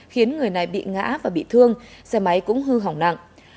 khiến người này bị ngã và bị thương xe máy cũng hư hỏng nặng